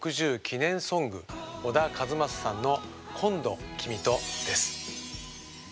記念ソング小田和正さんの「こんど、君と」です。